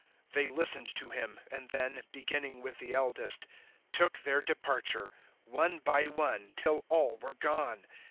008:009 They listened to Him, and then, beginning with the eldest, took their departure, one by one, till all were gone.